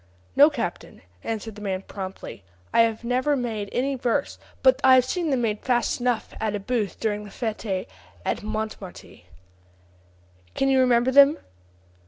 "No, captain," answered the man promptly: "I have never made any verses, but I have seen them made fast enough at a booth during the fete of Montmartre." "Can you remember them?"